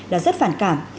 là rất phản cảm